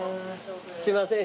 すいません